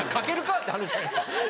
って話じゃないですか。